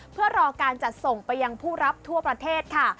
เพื่อรอการจัดส่งไปยังผู้รับทั่วประเทศค่ะ